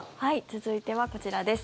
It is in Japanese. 続いてはこちらです。